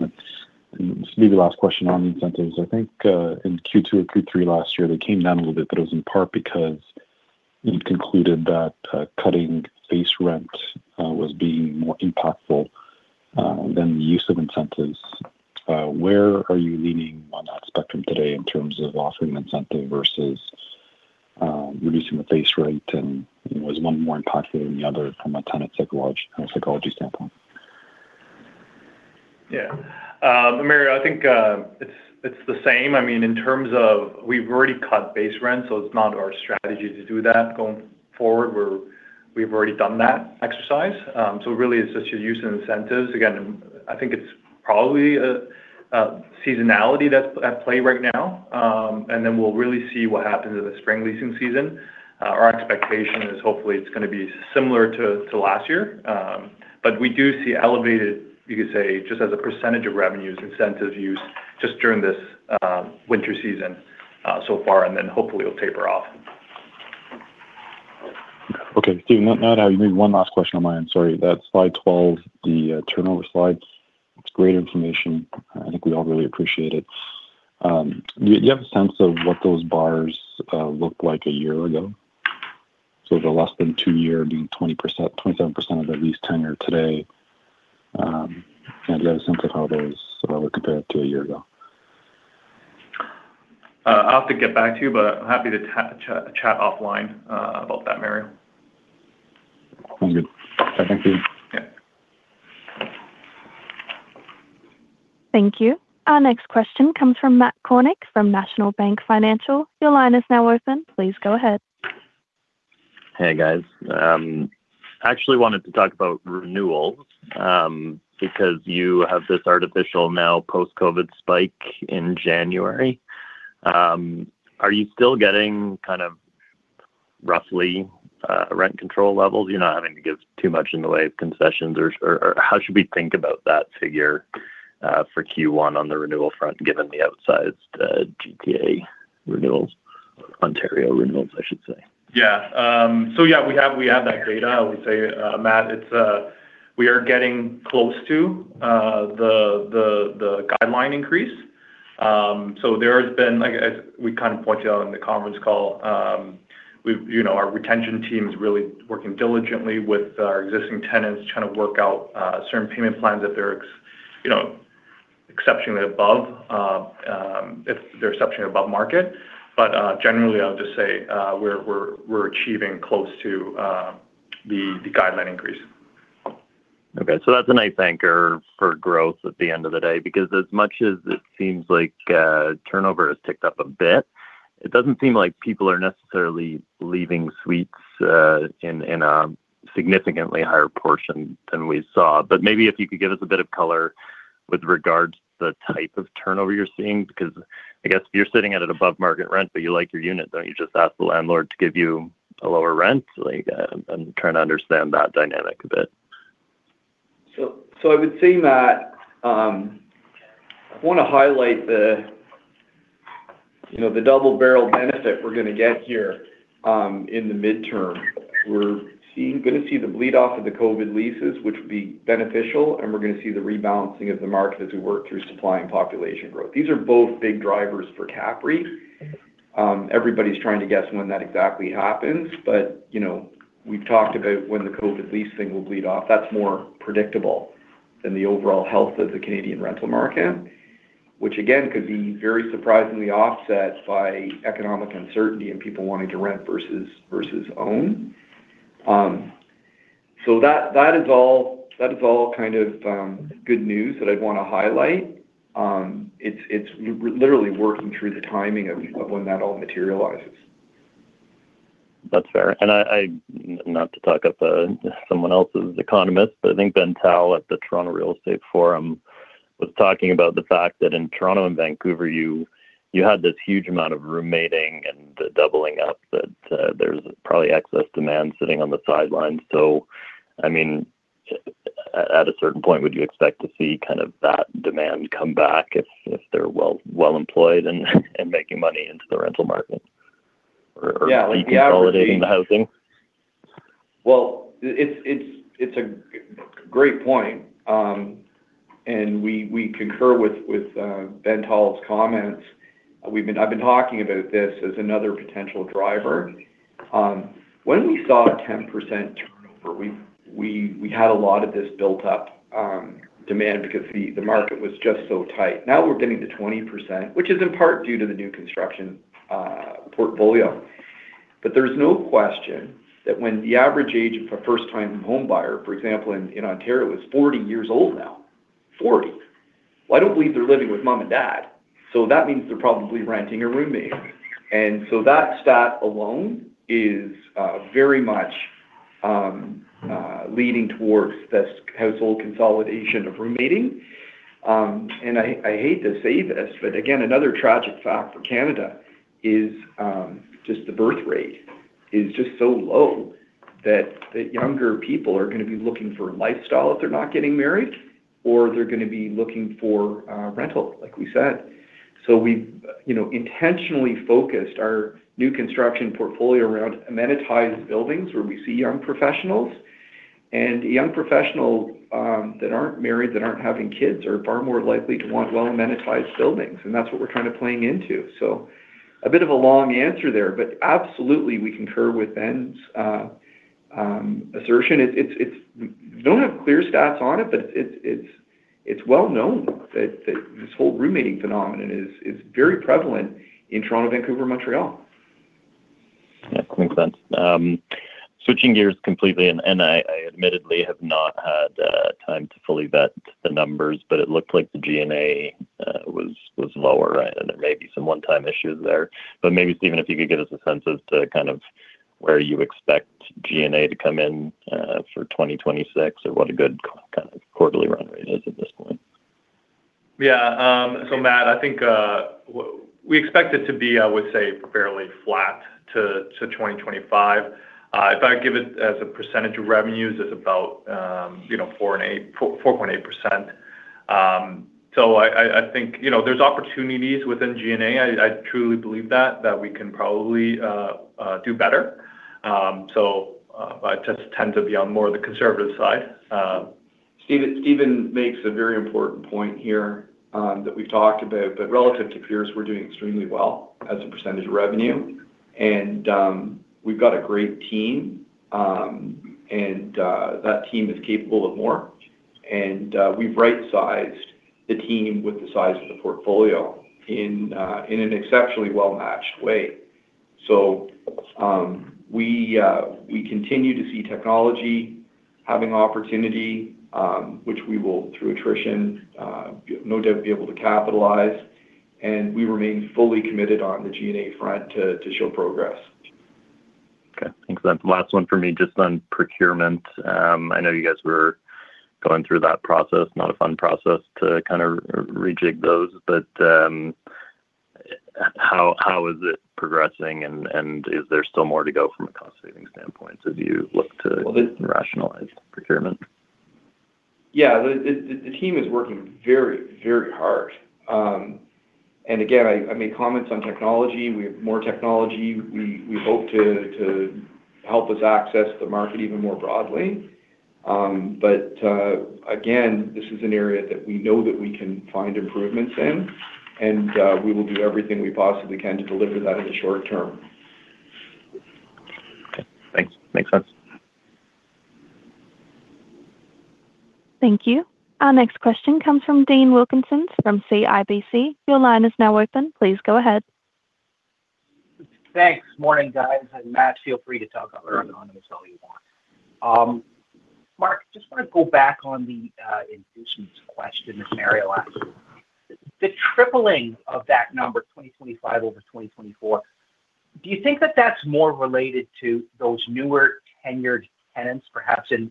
Let's maybe the last question on the incentives. I think, in Q2 or Q3 last year, they came down a little bit, but it was in part because it concluded that, cutting base rent, was being more impactful, than the use of incentives. Where are you leaning on that spectrum today in terms of offering incentive versus, reducing the base rate? And is one more impactful than the other from a tenant psychology standpoint? Yeah. Mario, I think it's the same. I mean, in terms of we've already cut base rent, so it's not our strategy to do that going forward. We've already done that exercise. So really, it's just your use of incentives. Again, I think it's probably a seasonality that's at play right now. And then we'll really see what happens in the spring leasing season. Our expectation is hopefully it's gonna be similar to last year. But we do see elevated, you could say, just as a percentage of revenues, incentive use just during this winter season so far, and then hopefully it'll taper off. Okay. Steve, now, now you made one last question of mine. Sorry. That's slide 12, the turnover slides. It's great information. I think we all really appreciate it. Do you have a sense of what those bars looked like a year ago? So the less than two year being 20%, 27% of the lease tenure today, and do you have a sense of how those look compared to a year ago? I'll have to get back to you, but I'm happy to chat offline about that, Mario. Sound good. Thank you. Yeah. Thank you. Our next question comes from Matt Kornack, from National Bank Financial. Your line is now open. Please go ahead. Hey, guys. I actually wanted to talk about renewals, because you have this artificial now post-COVID spike in January. Are you still getting kind of roughly rent control levels? You're not having to give too much in the way of concessions or, how should we think about that figure for Q1 on the renewal front, given the outsized GTA renewals, Ontario renewals, I should say? Yeah. So yeah, we have, we have that data. I would say, Matt, it's, we are getting close to, the guideline increase. So there has been, like, as we kind of pointed out in the conference call, we, you know, our retention team is really working diligently with our existing tenants, trying to work out, certain payment plans that they're ex- you know, exceptionally above, if they're exceptionally above market. But, generally, I'll just say, we're, we're, we're achieving close to, the guideline increase. Okay. So that's a nice anchor for growth at the end of the day, because as much as it seems like, turnover has ticked up a bit, it doesn't seem like people are necessarily leaving suites, in, in a significantly higher portion than we saw. But maybe if you could give us a bit of color with regards to the type of turnover you're seeing, because I guess if you're sitting at an above-market rent, but you like your unit, don't you just ask the landlord to give you a lower rent? Like, I'm trying to understand that dynamic a bit. So, I would say, Matt, I want to highlight the, you know, the double-barrel benefit we're going to get here, in the midterm. We're seeing—gonna see the bleed off of the COVID leases, which would be beneficial, and we're going to see the rebalancing of the market as we work through supply and population growth. These are both big drivers for CAPREIT. Everybody's trying to guess when that exactly happens, but, you know, we've talked about when the COVID lease thing will bleed off. That's more predictable than the overall health of the Canadian rental market, which again, could be very surprisingly offset by economic uncertainty and people wanting to rent versus own. So that is all kind of good news that I'd want to highlight. It's literally working through the timing of when that all materializes. That's fair. And I-- not to talk up someone else's economist, but I think Ben Tal at the Toronto Real Estate Forum was talking about the fact that in Toronto and Vancouver, you had this huge amount of roommating and doubling up, that there's probably excess demand sitting on the sidelines. So, I mean, at a certain point, would you expect to see kind of that demand come back if they're well-employed and making money into the rental market or- Yeah. Consolidating the housing? Well, it's a great point, and we concur with Ben Tal's comments. I've been talking about this as another potential driver. When we saw a 10% turnover, we had a lot of this built up demand because the market was just so tight. Now, we're getting to 20%, which is in part due to the new construction portfolio. But there's no question that when the average age of a first-time homebuyer, for example, in Ontario, is 40 years old now. 40. I don't believe they're living with mom and dad, so that means they're probably renting a roommate. And so that stat alone is very much leading towards this household consolidation of roommating. And I hate to say this, but again, another tragic fact for Canada is just the birth rate is just so low, that the younger people are going to be looking for a lifestyle if they're not getting married, or they're going to be looking for rental, like we said. So we've, you know, intentionally focused our new construction portfolio around amenitized buildings, where we see young professionals. And young professionals that aren't married, that aren't having kids, are far more likely to want well-amenitized buildings, and that's what we're kind of playing into. So a bit of a long answer there, but absolutely we concur with Ben's assertion. It's well known that this whole roommating phenomenon is very prevalent in Toronto, Vancouver, Montreal. Yeah, makes sense. Switching gears completely, and I admittedly have not had time to fully vet the numbers, but it looked like the G&A was lower, right? And there may be some one-time issues there. But maybe, Stephen, if you could give us a sense as to kind of where you expect G&A to come in for 2026, or what a good kind of quarterly run rate is at this point. Yeah. So Matt, I think we expect it to be, I would say, fairly flat to 2025. If I give it as a percentage of revenues, it's about, you know, 4.8%. So I think, you know, there's opportunities within G&A. I truly believe that we can probably do better. So, but I just tend to be on more of the conservative side. Stephen makes a very important point here, that we've talked about, but relative to peers, we're doing extremely well as a percentage of revenue. And, we've got a great team, and, that team is capable of more. And, we've right-sized the team with the size of the portfolio in an exceptionally well-matched way. We continue to see technology having opportunity, which we will, through attrition, no doubt be able to capitalize, and we remain fully committed on the G&A front to show progress. Okay, thanks. Then last one for me, just on procurement. I know you guys were going through that process. Not a fun process to kind of rejig those, but how is it progressing, and is there still more to go from a cost-saving standpoint as you look to- Well- -rationalize procurement? Yeah. The team is working very, very hard. And again, I made comments on technology. We have more technology. We hope to help us access the market even more broadly. But again, this is an area that we know that we can find improvements in, and we will do everything we possibly can to deliver that in the short term. Okay, thanks. Makes sense. Thank you. Our next question comes from Dean Wilkinson from CIBC. Your line is now open. Please go ahead. Thanks. Morning, guys, and Matt, feel free to talk over anonymous all you want. Mark, just want to go back on the inducements question that Mario asked. The tripling of that number, 2025 over 2024, do you think that that's more related to those newer tenured tenants, perhaps in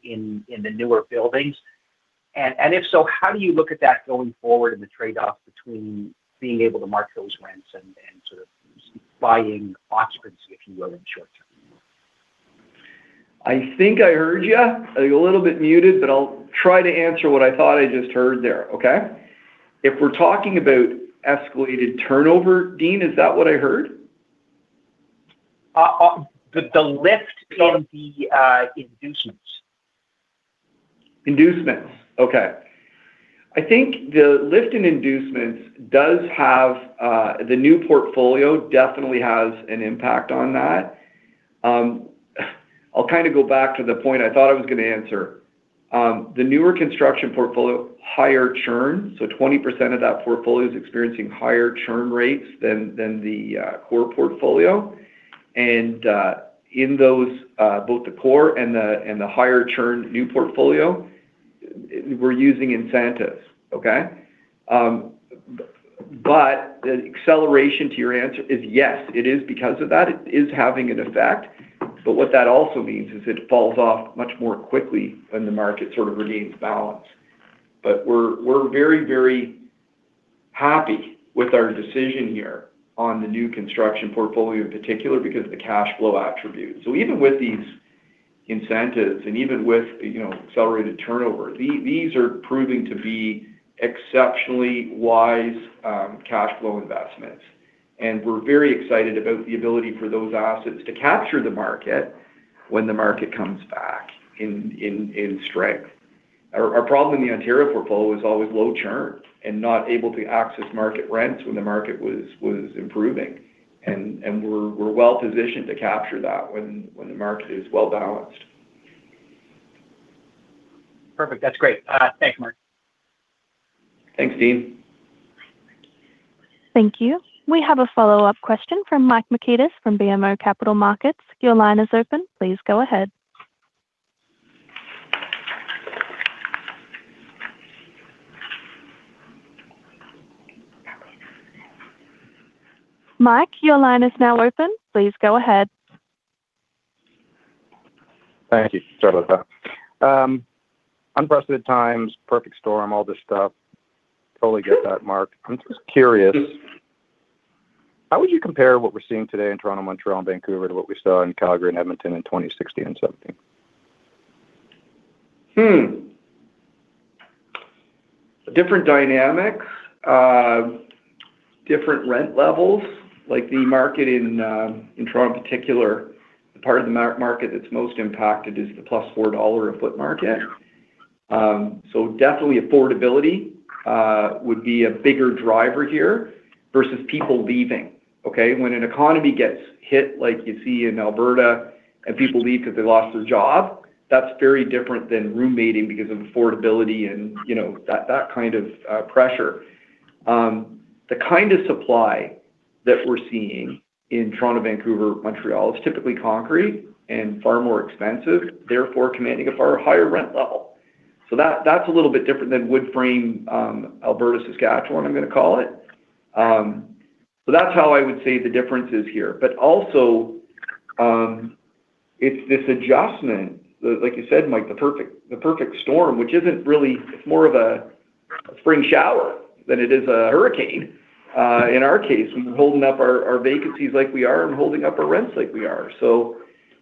the newer buildings? And if so, how do you look at that going forward and the trade-off between being able to mark those rents and sort of buying ostrich, if you will, in short term? I think I heard you. You're a little bit muted, but I'll try to answer what I thought I just heard there, okay? If we're talking about escalated turnover, Dean, is that what I heard? The lift from the inducements. Inducements. Okay. I think the lift in inducements does have. The new portfolio definitely has an impact on that. I'll kind of go back to the point I thought I was going to answer. The newer construction portfolio, higher churn, so 20% of that portfolio is experiencing higher churn rates than the core portfolio. In those, both the core and the higher churn new portfolio, we're using incentives, okay? But the acceleration to your answer is, yes, it is because of that. It is having an effect, but what that also means is it falls off much more quickly when the market sort of regains balance. But we're very, very happy with our decision here on the new construction portfolio in particular because of the cash flow attribute. So even with these incentives and even with, you know, accelerated turnover, these are proving to be exceptionally wise cash flow investments. And we're very excited about the ability for those assets to capture the market when the market comes back in strength. Our problem in the Ontario portfolio is always low churn and not able to access market rents when the market was improving, and we're well positioned to capture that when the market is well-balanced. Perfect. That's great. Thanks, Mark. Thanks, Dean. Thank you. We have a follow-up question from Mike Markidis from BMO Capital Markets. Your line is open. Please go ahead. Mike, your line is now open. Please go ahead. Thank you. Sorry about that. Unprecedented times, perfect storm, all this stuff. Totally get that, Mark. I'm just curious, how would you compare what we're seeing today in Toronto, Montreal, and Vancouver to what we saw in Calgary and Edmonton in 2016 and 2017? Different dynamics, different rent levels, like the market in, in Toronto in particular, the part of the market that's most impacted is the +4 dollar a foot market. So definitely affordability, would be a bigger driver here versus people leaving, okay? When an economy gets hit, like you see in Alberta, and people leave because they lost their job, that's very different than roommating because of affordability and, you know, that, that kind of, pressure. The kind of supply that we're seeing in Toronto, Vancouver, Montreal, is typically concrete and far more expensive, therefore commanding a far higher rent level. So that, that's a little bit different than wood frame, Alberta, Saskatchewan, I'm gonna call it. So that's how I would say the difference is here. But also, it's this adjustment, like you said, Mike, the perfect storm, which isn't really—it's more of a spring shower than it is a hurricane in our case. We've been holding up our vacancies like we are and holding up our rents like we are. So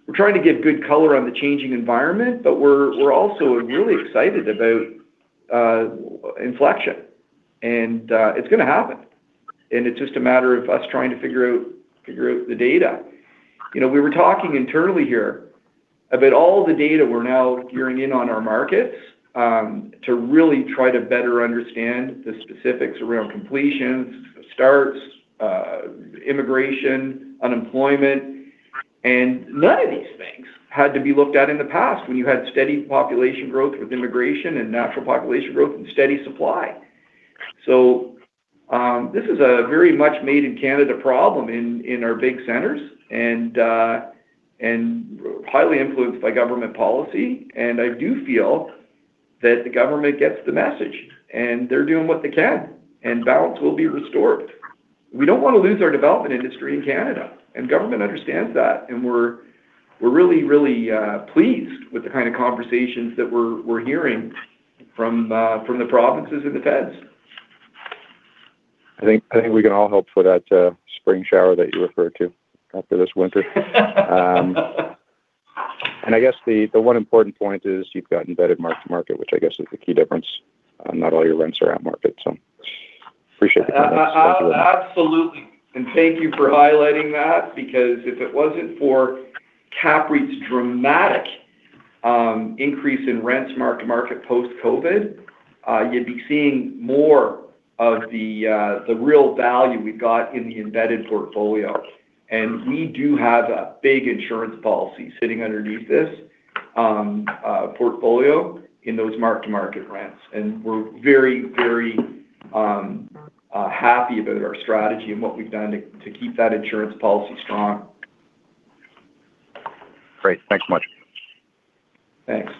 we're trying to give good color on the changing environment, but we're also really excited about inflection, and it's gonna happen. And it's just a matter of us trying to figure out the data. You know, we were talking internally here about all the data we're now gearing in on our markets, to really try to better understand the specifics around completions, starts, immigration, unemployment. None of these things had to be looked at in the past when you had steady population growth with immigration and natural population growth and steady supply. So, this is a very much made in Canada problem in our big centers and highly influenced by government policy. I do feel that the government gets the message, and they're doing what they can, and balance will be restored. We don't want to lose our development industry in Canada, and government understands that, and we're really, really pleased with the kind of conversations that we're hearing from the provinces and the feds. I think we can all hope for that spring shower that you referred to after this winter. And I guess the one important point is you've got embedded Mark-to-Market, which I guess is the key difference. Not all your rents are at market, so appreciate the comments. Absolutely. And thank you for highlighting that, because if it wasn't for CAPREIT's dramatic increase in rents mark-to-market post-COVID, you'd be seeing more of the real value we've got in the embedded portfolio. And we do have a big insurance policy sitting underneath this portfolio in those mark-to-market rents, and we're very, very happy about our strategy and what we've done to keep that insurance policy strong. Great. Thanks so much. Thanks.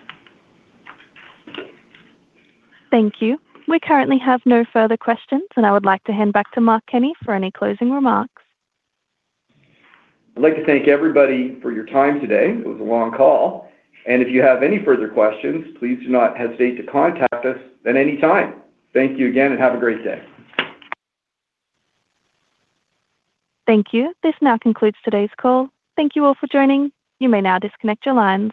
Thank you. We currently have no further questions, and I would like to hand back to Mark Kenney for any closing remarks. I'd like to thank everybody for your time today. It was a long call, and if you have any further questions, please do not hesitate to contact us at any time. Thank you again, and have a great day. Thank you. This now concludes today's call. Thank you all for joining. You may now disconnect your lines.